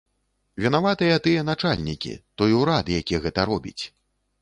Вінаватыя тыя начальнікі, той урад, які гэта робіць.